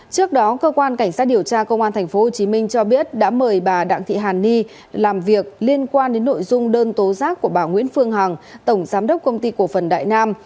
trước đó cơ quan cảnh sát điều tra công an tp hcm cho biết đã mời bà đặng thị hàn ni làm việc liên quan đến nội dung đơn tố giác của bà nguyễn phương hằng tổng giám đốc công ty cổ phần đại nam